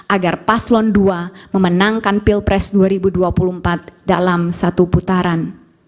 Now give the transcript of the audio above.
agar paslon dua memenangkan pilpres dua ribu dua puluh empat dalam satu putaran